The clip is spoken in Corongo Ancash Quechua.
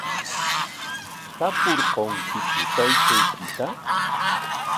¿Tapurqankiku taytaykitaqa?